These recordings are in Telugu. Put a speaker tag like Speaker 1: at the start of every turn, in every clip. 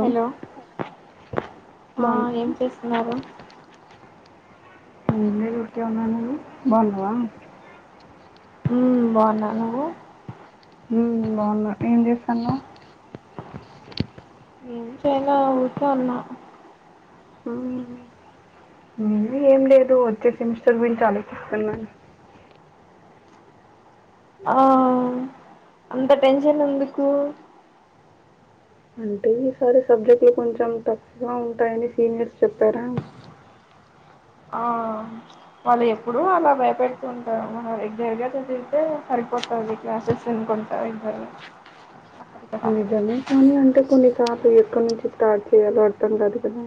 Speaker 1: హలో ఆ ఏం
Speaker 2: బాగున్నావా
Speaker 1: చేస్తున్నారు
Speaker 2: ఏం లేదు ఊరికే ఉన్న నువ్వు బాన్నావా
Speaker 1: ఉ బాన్నా నువ్వు
Speaker 2: ఉ బాన్నా ఏం చేస్తున్నావ్
Speaker 1: ఏం చేయలే ఊరికే ఉన్నా
Speaker 2: ఉ నేను ఏం లేదు వచ్చే సెమిస్టర్ గురించి ఆలోచిస్తున్నాను
Speaker 1: ఆ అంత టెన్షన్ ఎందుకు
Speaker 2: అంటే ఈసారి సబ్జెక్ట్లు కొంచెం టఫ్ గా ఉంటాయని సీనియర్స్ చెప్పారా
Speaker 1: వాళ్లు ఎప్పుడుూ అలా భయపెడుతూ ఉంటారు మనం రెగ్యులర్ గా చదివితే సరిపోతది ఈ క్లాసెస్ విన్ కుంటా ఇవ్వరు
Speaker 2: నిజమే కానీ అంటే కొన్నిసార్లు ఎక్కడి నుంచి స్టార్ట్ చేయాలో అర్థం కాదు కదా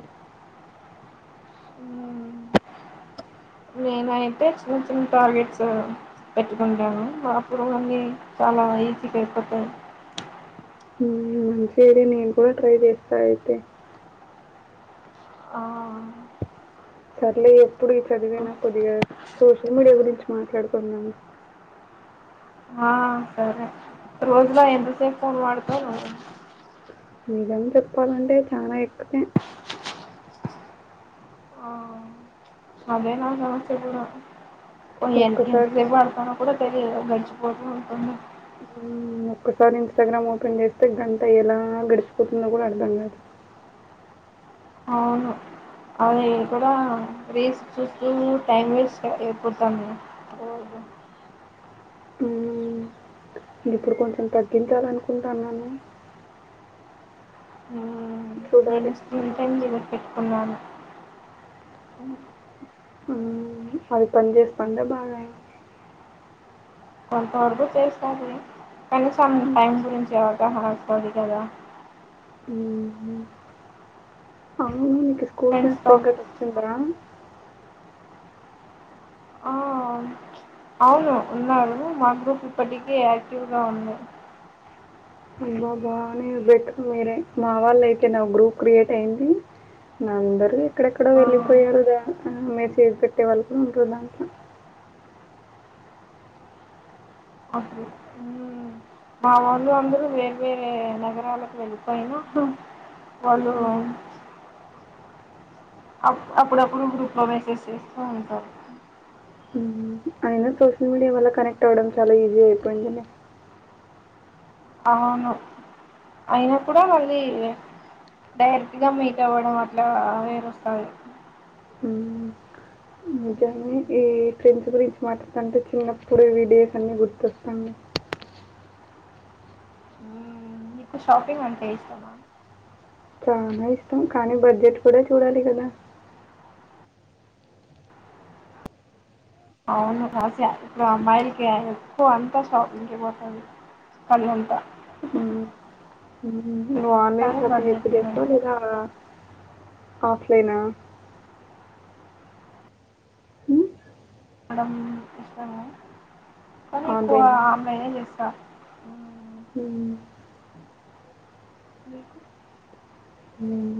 Speaker 1: నేనయితే చిన్న చిన్న టార్గెట్స్ పెట్టుకుంటాను మాప్పుడు అన్ని చాలా ఆ ఈజీగా అయిపోతది
Speaker 2: ఉ మంచిది నేను కూడా ట్రై చేస్తా అయితే
Speaker 1: ఆ
Speaker 2: సర్లే ఎప్పుడు ఈ చదువేనా కొద్దిగా సోషల్ మీడియా గురించి మాట్లాడుకుందాము
Speaker 1: ఆ సరే రోజులో ఎంతసేపు ఫోన్ వాడుతవు నువ్వు
Speaker 2: నిజం చెప్పాలంటే చాలా ఎక్కువే
Speaker 1: ఆ అదే నా సమస్య కూడా పోనీ ఎంత ఎంత
Speaker 2: ఒక్కసారి
Speaker 1: సేపు పడుతదొ కూడా పెరి గడిచిపోతూ ఉంటుంది
Speaker 2: ఊ ఒక్కసారి ఇన్స్టాగ్రామ్ ఓపెన్ చేస్తే గంట ఎలా గడిచిపోతుందో కూడా అర్థం కాదు
Speaker 1: అవును అవును నేను కూడా రీల్స్ చూస్తూ టైమ్ వేస్ట్ అయిపోతాంది
Speaker 2: హ్మ్. ఇప్పుడు కొంచెం తగ్గించాలనుకుంటాన్నాను
Speaker 1: మ్మ్. నేను స్క్రీన్
Speaker 2: హ్మ్.
Speaker 1: టైం డెలిర్ పెట్టుకున్నాను
Speaker 2: హు అది పని చేస్తందా బాగా
Speaker 1: కొంతవరకు చేస్తది కనీసం టైం గురించి అవగాహన వస్తది గాదా
Speaker 2: ఉహు అవును నీకు స్కూల్ ఫ్రెండ్స్ ఇంకా టట్ ఉండరా
Speaker 1: ఆ అవును ఉన్నారూ మా గ్రూప్ ఇప్పటికీ యాక్టివ్గా ఉంది
Speaker 2: అబ్బాబా నీ బేట్టుకు మీరే మా వాళ్ళ అయితే నా గ్రూప్ క్రియేట్ అయింది నా అందరూ ఎక్కడెక్కడో
Speaker 1: ఆ
Speaker 2: వెళ్ళిపోయారుగా ఆ మెసేజ్ పెట్టే వాళ్ళు కూడా ఉండరు దాంట్లో
Speaker 1: అప్పుడు ఊ మా వాళ్ళు అందరు వేరే వేరే నగరాలకు వెళ్ళిపోయినా దు వాళ్ళు
Speaker 2: హ్మ్.
Speaker 1: అప్ అప్పుడప్పుడు గ్రూప్ లో మెసేజ్ చేస్తూ ఉంటారు
Speaker 2: హు అయినా సోషల్ మీడియా వల్ల కనెక్ట్ అవడం చాలా ఈజీ అయిపోయింది లే
Speaker 1: అవును అయిన కూడా మళ్ళీ డైరెక్ట్ గా మీట్ అవ్వడం అట్లా వేరు వస్తది
Speaker 2: హ్మ్. నిజమే ఈ ఫ్రెండ్స్ గురించి మాట్లాడుతంటే చిన్నప్పుడు వీడియోస్ అన్ని గుర్తొస్తున్నాయి
Speaker 1: హ్మ్. నీకు షాపింగ్ అంటే ఇష్టమా
Speaker 2: చానా ఇష్టం కానీ బడ్జెట్ కూడా చూడాలి కదా
Speaker 1: అవును ఆశ ఇప్పుడు అమ్మాయిలకి ఎక్కువ అంతా షాపింగ్ కే పోతది కల్ ఉంట
Speaker 2: హ్మ్. నువ్వు ఆన్లైన్ షాపింగ్ ఎక్కువ చేస్తావ
Speaker 1: ఉండదు.
Speaker 2: లేదా ఆఫ్ లైనా
Speaker 1: కోనడం ఇష్టం కానీ ఎక్కువ
Speaker 2: ఆన్‌లైనా?
Speaker 1: ఆన్లైన్ చేస్తా మ్మ్.
Speaker 2: హ్మ్.
Speaker 1: మీకు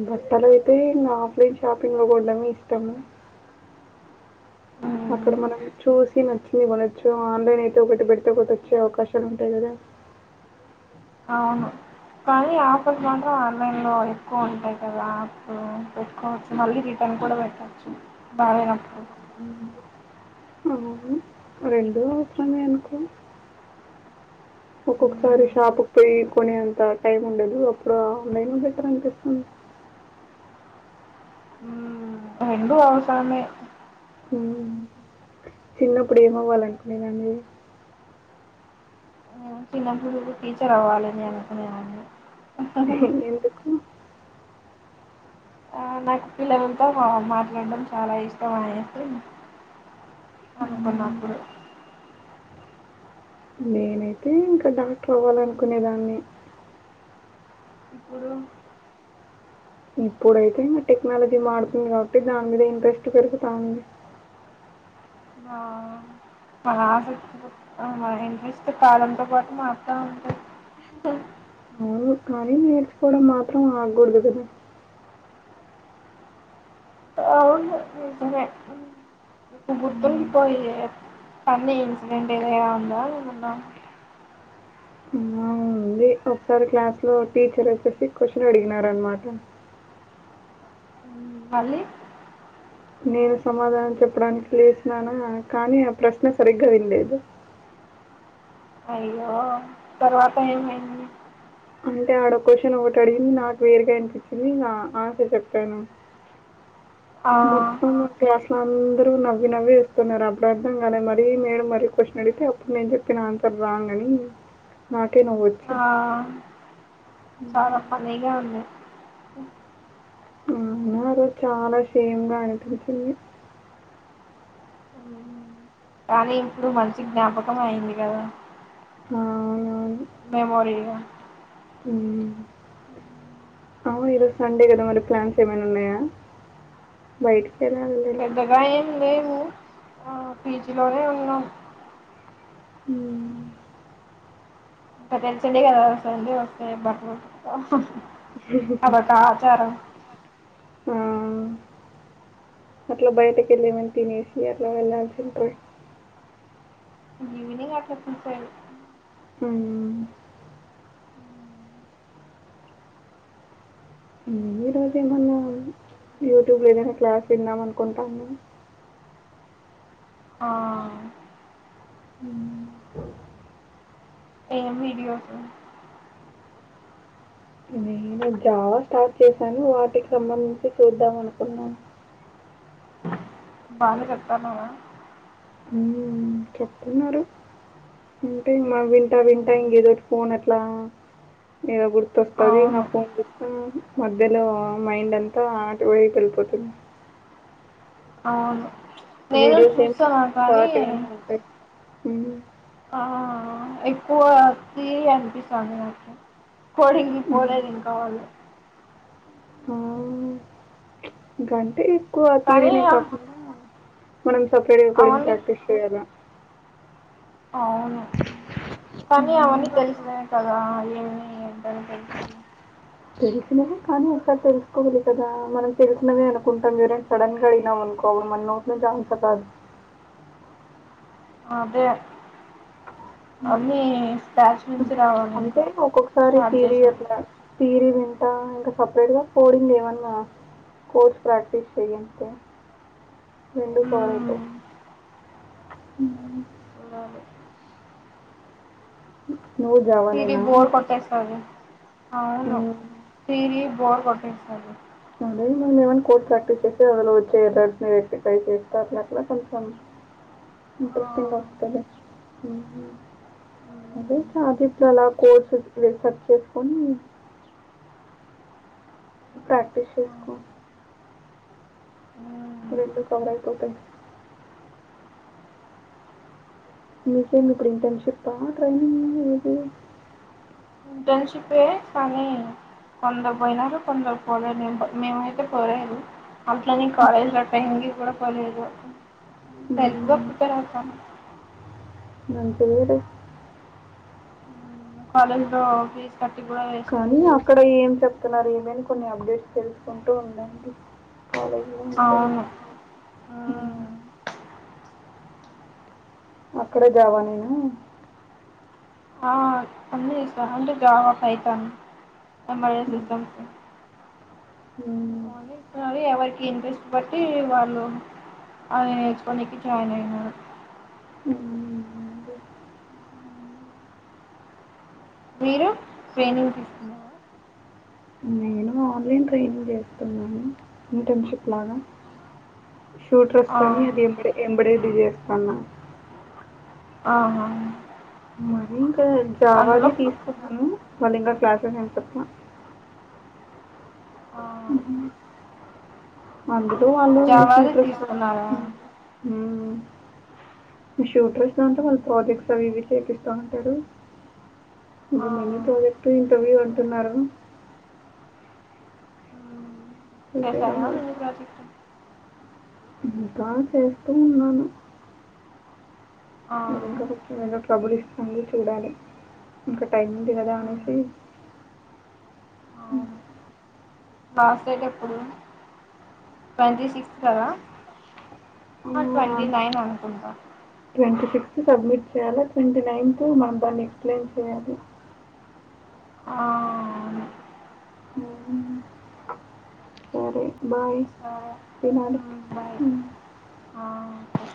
Speaker 2: బట్టలు అయితే ఇంగ ఆఫ్లైన్ షాపింగ్ లో కొనడం ఇష్టము
Speaker 1: మ్మ్
Speaker 2: అక్కడ మనం చూసి నచ్చింది కొనొచ్చు ఆన్లైన్ అయితే ఒకటి పెడితే ఒకటి వచ్చే అవకాశాలు ఉంటాయి కదా
Speaker 1: అవును కానీ ఆఫర్స్ మాత్రం ఆన్లైన్ లో ఎక్కువ ఉంటాయి కదా ఆప్ పెట్టుకోవచ్చు మళ్ళీ రిటర్న్ రిటర్న్ పెట్టొచ్చు బాగాలేనప్పుడు
Speaker 2: ఉ రెండ అట్లనే అనుకో ఒక్కొక్కసారి షాప్ కు పోయి కొనే అంత టైమ్ ఉండదు అప్పుడు ఆన్లైన్ లో బెటర్ అనిపిస్తుంది.
Speaker 1: మ్మ్ రెండు అవసరమే
Speaker 2: ఉమ్ చిన్నప్పుడు ఏమవ్వాలనుకునేదండి
Speaker 1: నేను చిన్నప్పుడు టీచర్ అవ్వాలిని అనుకునేదాన్ని
Speaker 2: ఎందుకు?
Speaker 1: నాకు పిల్లలతో మా మాట్లాడడం చాలా ఇష్టం అయితే
Speaker 2: హ్మ్.
Speaker 1: అనుకున్నప్పుడు
Speaker 2: నేనైతే ఇంకా డాక్టర్ అవ్వాలనుకునేదాన్ని
Speaker 1: ఇప్పుడు
Speaker 2: ఇప్పుడైతే ఇంకా టెక్నాలజీ వాడుతుంది కాబట్టి దాని మీద ఇంట్రెస్ట్ పెరుగుతా ఉంది.
Speaker 1: ఆ మన ఆసక్తి మన ఇంట్రెస్ట్ కాలంతో పాటు మరిత ఉంటాయి. హా
Speaker 2: అవును కానీ నేర్చుకోవడం మాత్రం ఆగకూడదు కదా
Speaker 1: ఉమ్ సరే
Speaker 2: హ్మ్.
Speaker 1: తరిగిపోయే తన్వి ఇన్సిడెంట్ ఏదైనా ఉందాన్న
Speaker 2: దే ఒకసారి క్లాస్ లో టీచర్ వచ్చేసి క్వశ్చన్ అడిగినార అనమాట
Speaker 1: మళ్ళీ
Speaker 2: నేను సమాధానం చెప్పడానికి లేసిననా కానీ ఆ ప్రశ్న సరిగ్గా వినలేదు.
Speaker 1: అయ్యో తర్వాత ఏమైంది
Speaker 2: అంటే ఆడ క్వశ్చన్ ఒకటి అడిగింది నాకు వేరుగా ఇనిపించింది ఇగ ఆన్సర్ చెప్పాను
Speaker 1: ఆ
Speaker 2: మొత్తం మా క్లాస్ అందరూ నవ్వి నవ్వి చూస్తున్నారు అప్పుడు అర్థంగానే మరీ మెడం మరీ క్వశ్చన్ అడిగితే అప్పుడు నేను చెప్పిన ఆన్సర్ రాంగ్ అని నాకే నవ్వు వచ్చు
Speaker 1: ఆ చాలా ఫన్నీగా ఉంది
Speaker 2: అవునా ఆ రోజు చాలా షేమ్ గా అనిపించింది
Speaker 1: మ్మ్. కానీ ఇప్పుడు మంచి జ్ఞాపకం అయింది కదా
Speaker 2: ఆ
Speaker 1: మెమోరీగా
Speaker 2: హుమ్ ఆ ఈరోజు సండే కదా మరి ప్లాన్స్ ఏమైనా ఉన్నాయా బయటికిలి
Speaker 1: పెద్దగా ఏం లేవు ఆ పీజీలోనే ఉన్నాం
Speaker 2: ఉమ్
Speaker 1: ఇంకా తెలిసిందే కదా సండే వస్తే బట్టలు ఉతుకుతాం అదొక ఆచారం
Speaker 2: ఆ అట్లా బయటకి వెళ్ళ ఏమన్నా తినేసి అట్లా వెళ్ళల్సి ఉంటది.
Speaker 1: ఇగ అట్ల ఫుల్ [unintelligible]
Speaker 2: ఉమ్ ఉమ్ ఈరోజు ఏమన్నా యూట్యూబ్లో ఏదైనా క్లాసు విన్నమనుకుంటాన్న
Speaker 1: ఆ
Speaker 2: ఉమ్
Speaker 1: ఏమీ వీడియోస్
Speaker 2: నేను జావా స్టార్ట్ చేశాను వాటికి సంబంధించి చూద్దాం అనుకున్నాను
Speaker 1: బానే చెప్తన్నావా
Speaker 2: ఉమ్ చెప్తున్నారు అంటే మా వింటా వింటా ఇంకేదోటి ఫోన్ ఎట్లా ఏదో గుర్తొస్ పదిగా
Speaker 1: అవును
Speaker 2: ఫోన్ చూస్తా మధ్యలో మైండ్ అంతా అటు వైపు వెళ్ళిపోతుంది
Speaker 1: అవును నేను
Speaker 2: వీడియోస్ ఏమి
Speaker 1: చూస్తాను కానీ
Speaker 2: షార్ట్ గానే ఉంటాయి ఉమ్
Speaker 1: ఆ ఎక్కువ ఫీల్ అనిపిస్తుంది నాకు కోడింకి పోలేదు ఇంకా వాళ్లు
Speaker 2: ఉమ్ గంటే ఎక్కువ థియరీ
Speaker 1: కానీ
Speaker 2: నే కాకుండా మనం సపరేట్ గా కోడింగ్
Speaker 1: అవన్నీ
Speaker 2: ప్రాక్టీస్ చేయాల
Speaker 1: అవును కానీ అవన్నీ తెలిసినవే కదా ఏ ఏంటంట తెలిసేది
Speaker 2: తెలిసినవే కానీ ఒకసారి తెలుసుకోవాలి కదా మనం తెలిసినవే అనుకుంటాం గాని మరి సడన్ గా అయినా కొన్ని కొన్ని మన నోటి నుంచి ఆన్సర్ రాదు
Speaker 1: అదే
Speaker 2: అ
Speaker 1: అన్నీ స్క్రాచ్
Speaker 2: ఉమ్
Speaker 1: నుంచి రావాలి ఇంకా
Speaker 2: అంటే ఒక్కొక్కసారి
Speaker 1: స్టార్ట్
Speaker 2: థియరీ
Speaker 1: చేసినప్పుడు
Speaker 2: అట్లా థియరీ వి ఆ ఇంకా సపరేట్ గా కోడింగ్ ఏమన్నా కోడ్స్ ప్రాక్టీస్ చెయ్ అంతే రెండు పాయింటే
Speaker 1: మ్మ్
Speaker 2: ఉమ్
Speaker 1: చూడాలి
Speaker 2: నువ్వు జావా
Speaker 1: థియరీ
Speaker 2: నేనా?
Speaker 1: బోర్ కొట్టేస్తది అవును
Speaker 2: హ్మ్.
Speaker 1: థియరీ బోర్ కొట్టేస్తది
Speaker 2: అదే మనం ఏమైనా కోడ్స్ ప్రాక్టీస్ చేస్తే అందులో వచ్చే ఎర్రర్స్ నీ రెక్టిఫై చేస్తారు అట్లా కొంచెం
Speaker 1: ఆ
Speaker 2: ఇంట్రెస్టింగ్ వస్తది ఉమ్ అదే
Speaker 1: మ్మ్
Speaker 2: చాట్ జీపిటి అలా కోడ్స్ రీసెర్చ్ చేసుకొని ప్రాక్టీస్ చేసుకో
Speaker 1: మ్మ్
Speaker 2: రెండు [unintelligible] కాటన్ మీకేం ఇప్పుడు ఇంటర్న్షిప్పా ట్రైనింగ్ ఏది
Speaker 1: ఇంటర్న్షిపే కానీ కొందరు పోయినారు కొందరు పోలేదు మేమయితే పోలేదు అట్లనే కాలేజ్ గట్ట టైమ్ కి కూడా పోలేదు సెల్ఫ్ గా
Speaker 2: హ్మ్.
Speaker 1: ప్రిపేర్ అవుతున్నాం
Speaker 2: అంతే కదా
Speaker 1: కాలేజీలో ఫీజు కట్టి కూడా వేస్టే
Speaker 2: కానీ అక్కడ ఏం చెప్తున్నారు ఏమని కొన్ని అప్డేట్స్ తెలుసుకుంటూ ఉండండి కాలేజీలో ఉంటది
Speaker 1: అవును
Speaker 2: ఆ ఉ
Speaker 1: మ్మ్
Speaker 2: అక్కడ జావా నేనా
Speaker 1: అ అన్ని చేస్తారు అంటే జావా పైతాన్ ఎంబెడెడ్
Speaker 2: హ్మ్.
Speaker 1: సిస్టమ్స్
Speaker 2: హ్మ్.
Speaker 1: ఓన్లీ [unintelligible] ఇంట్రెస్ట్ బట్టి వాళ్ళు అది నేర్చుకోనికి జాయిన్ అయినారు
Speaker 2: ఉమ్
Speaker 1: మీరు ట్రైనింగ్ తీస్తుకున్నావా
Speaker 2: నేను ఆన్లైన్ ట్రైనింగ్ చేస్తున్నాను ఇంటర్న్షిప్ లాగా షూటర్
Speaker 1: ఆ
Speaker 2: వస్తాని ఎంబెడ్ ఎంబెడెడ్ చేస్తానా
Speaker 1: ఆహా
Speaker 2: మరి ఇంక జావా నే
Speaker 1: అందులో
Speaker 2: తీసుకున్నాను వాళ్ళు ఇంకా క్లాసెస్ ఏం చెప్పాలా
Speaker 1: ఆ
Speaker 2: ఉహు ఆ ఉ అను [unintelligible] ఉ
Speaker 1: జావాది తీసుకున్నారా
Speaker 2: ఉ మీ షూటర్ వస్తినా ఉంటే వాళ్ళ
Speaker 1: మ్మ్.
Speaker 2: ప్రాజెక్ట్స్ అవి ఇవి చేపిస్తా ఉంటడు
Speaker 1: ఆ
Speaker 2: ఇప్పుడు మినీ ప్రాజెక్ట్ ఇంటర్వ్యూ అంటున్నారు ప్రిపేర్
Speaker 1: చేసావా
Speaker 2: అవ్వాలా.
Speaker 1: నిన్న ప్రాజెక్ట్
Speaker 2: ఇంకా చేస్తూ ఉన్నాను
Speaker 1: ఆ
Speaker 2: అది ఇంకా ముఖ్యమైనోట్ ట్రబుల్ ఇస్తుంది చూడాలి ఇంకా టైం ఉంది కదా అనేసి
Speaker 1: మ్మ్.
Speaker 2: అ
Speaker 1: లాస్డేట్ ఎప్పుడు ట్వంటీ సిక్స్ కదా
Speaker 2: అ
Speaker 1: ట్వంటీ నైన్ అనుకుంటా
Speaker 2: ట్వంటీ ఫిఫ్త్ సబ్మిట్ చేయాల ట్వంటీ నైన్త్ మనం దాన్ని ఎక్స్ప్లెయిన్ చేయాలి
Speaker 1: ఆ అవును
Speaker 2: అ సరే బాయ్ తినాలి
Speaker 1: సరే బాయ్